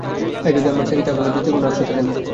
এ যদি আমরা ছাড়ি তো আমাদের দ্বিতীয় কোনো আশ্রয় থাকে না।